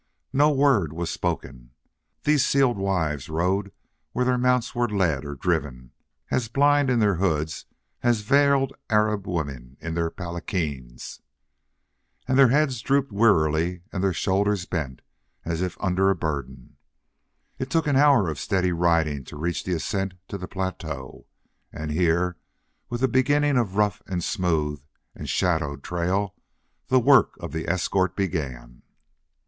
No word was spoken. These sealed wives rode where their mounts were led or driven, as blind in their hoods as veiled Arab women in palanquins. And their heads drooped wearily and their shoulders bent, as if under a burden. It took an hour of steady riding to reach the ascent to the plateau, and here, with the beginning of rough and smooth and shadowed trail, the work of the escort began.